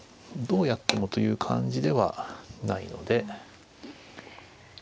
どうやってもという感じではないので。